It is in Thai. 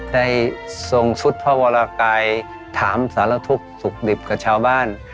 ได้ทรงสุดพระวรกายถามสารทุกข์สุขดิบกับชาวบ้าน